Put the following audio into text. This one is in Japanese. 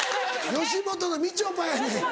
吉本のみちょぱやねん。